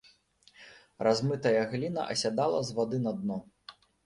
Размытая гліна асядала з вады на дно.